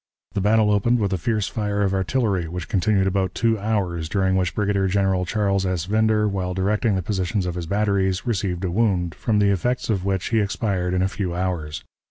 The battle opened with a fierce fire of artillery, which continued about two hours, during which Brigadier General Charles S. Winder, while directing the positions of his batteries, received a wound, from the effects of which he expired in a few hours.